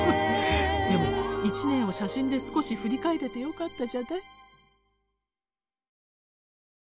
でも一年を写真で少し振り返れてよかったじゃない？